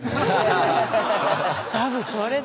多分それだ。